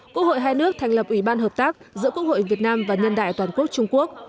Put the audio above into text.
quốc hội hai nước thành lập ủy ban hợp tác giữa quốc hội việt nam và nhân đại toàn quốc trung quốc